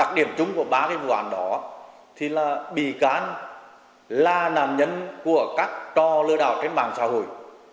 đặc điểm chung của ba vụ án đó thì là bị cán là nạn nhân của các trò lừa đảo trên mạng xã hội